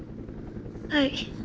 ☎はい。